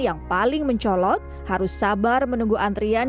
yang paling mencolok harus sabar menunggu antrian